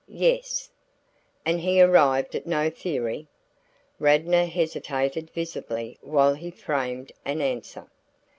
"Yes." "And he arrived at no theory?" Radnor hesitated visibly while he framed an answer.